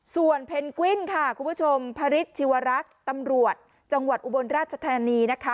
ส่วนเพนกวิ้นค่ะคุณผู้ชมพระฤทธิวรักษ์ตำรวจจังหวัดอุบลราชธานีนะคะ